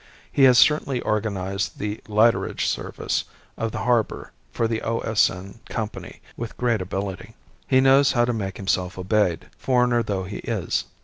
He has certainly organized the lighterage service of the harbour for the O.S.N. Company with great ability. He knows how to make himself obeyed, foreigner though he is.